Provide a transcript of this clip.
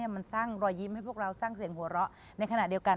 มันสร้างรอยยิ้มให้พวกเราสร้างเสียงหัวเราะในขณะเดียวกัน